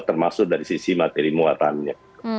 termasuk dari sisi materi muatannya